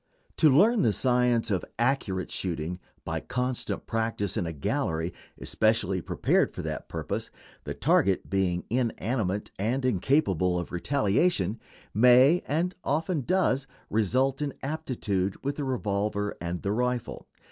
To learn the science of accurate shooting by constant practice in a gallery especially prepared for that purpose, the target being inanimate and incapable of retaliation, may, and often does, result in aptitude with the revolver and the rifle.